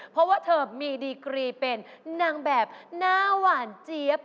เพราะว่าเธอมีดีกรีเป็นนางแบบหน้าหวานเจี๊ยบ